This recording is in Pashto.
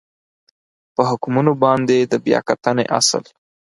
په حکمونو باندې د بیا کتنې اصل